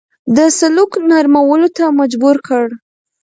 د سلوک نرمولو ته مجبور کړ.